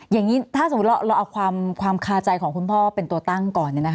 อย่างนี้ถ้าสมมุติเราเอาความคาใจของคุณพ่อเป็นตัวตั้งก่อน